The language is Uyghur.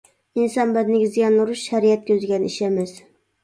ئىنسان بەدىنىگە زىيان ئۇرۇش شەرىئەت كۆزلىگەن ئىش ئەمەس.